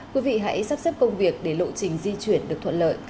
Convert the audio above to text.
quý vị hãy sắp xếp công việc để lộ trình di chuyển được thuận lợi